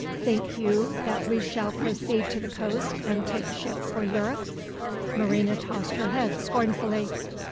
"Think you that we shall proceed to the coast, and take ship for Europe?" Marina tossed her head scornfully.